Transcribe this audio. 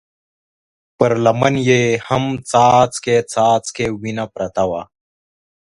پر لمن يې هم څاڅکی څاڅکی وينه پرته وه.